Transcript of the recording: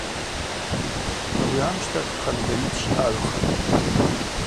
Ауи амщтахь Хангьари дщъагӏвхатӏ.